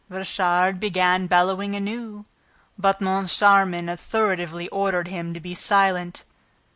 Richard began bellowing anew, but Moncharmin authoritatively ordered him to be silent.